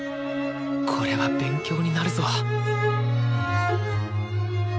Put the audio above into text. これは勉強になるぞ！